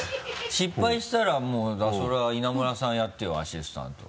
失敗したらもうだからそれは稲村さんやってよアシスタント。